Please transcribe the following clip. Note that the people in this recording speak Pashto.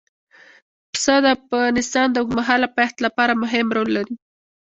پسه د افغانستان د اوږدمهاله پایښت لپاره مهم رول لري.